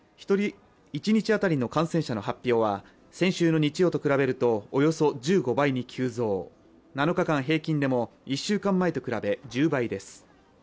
一日当たりの感染者の発表は先週の日曜と比べるとおよそ１５倍に急増、７日間平均でも１週間前と比べ１０倍です。